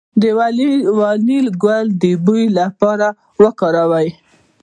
د وانیلا ګل د بوی لپاره وکاروئ